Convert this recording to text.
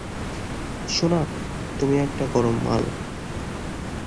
সোনা, তুমি একটা গরম মাল।